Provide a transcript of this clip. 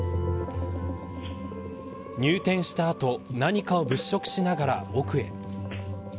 入店した後何かを物色しながら奥へ。